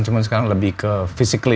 cuma sekarang lebih ke physically